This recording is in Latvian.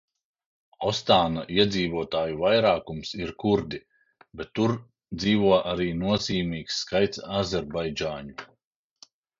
Ostāna iedzīvotāju vairākums ir kurdi, bet tur dzīvo arī nozīmīgs skaits azerbaidžāņu.